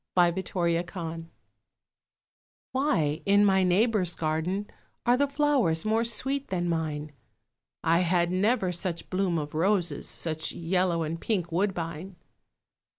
MY NEIGHBOUR'S GARDEN Why in my neighbour's garden Are the flowers more sweet than mine? I had never such bloom of roses, Such yellow and pink woodbine.